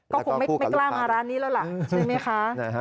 ก็คงไม่กล้ามาร้านนี้แล้วล่ะใช่ไหมคะ